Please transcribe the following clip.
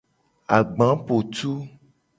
Agbapotu.